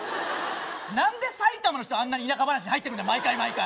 何で埼玉の人あんなに田舎話に入ってくるんだ毎回毎回。